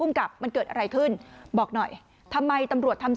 สองสามีภรรยาคู่นี้มีอาชีพ